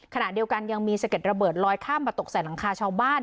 ขณะเดียวกันยังมีสะเด็ดระเบิดลอยข้ามมาตกใส่หลังคาชาวบ้าน